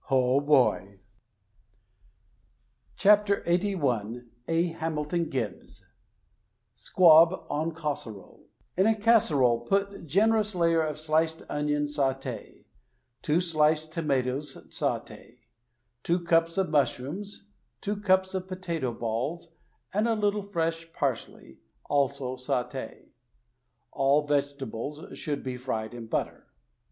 Oh, boy! THE STAG COOK BOOK LXXXI A, Hamilton Gibbs SQUAB EN CASSEROLE In a casserole put generous layer of sliced onion saute, two sliced tomatoes saute, two cups of mushrooms, two cups of potato balls, and a little fresh parsley also saute. (All the vegetables should be fried in butter).